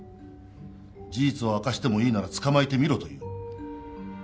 事実を明かしてもいいなら捕まえてみろという。